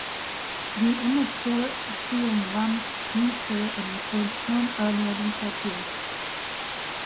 The immature Seung-wan leaves her, and returns home earlier than scheduled.